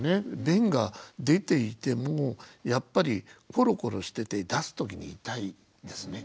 便が出ていてもやっぱりコロコロしてて出す時に痛いですね